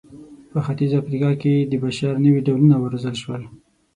په ختیځه افریقا کې د بشر نوي ډولونه وروزل شول.